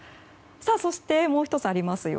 そして、もう１つあります。